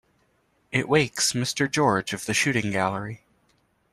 It wakes Mr. George of the shooting gallery.